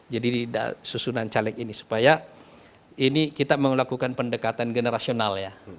jadi susunan caleg ini supaya ini kita melakukan pendekatan generasional ya